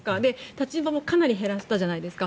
立ちんぼもかなり減らしたじゃないですか。